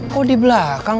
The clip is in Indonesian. kok di belakang